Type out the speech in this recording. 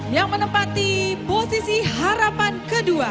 yang menempati posisi harapan kedua